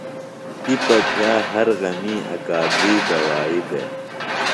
تپہ بھیہ ہر غمیۡ اکادئی دوائی بےۡ۔